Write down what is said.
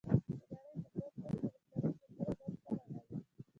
د نړۍ په ګوټ ګوټ کې مختلف لیکونه منځ ته راغلل.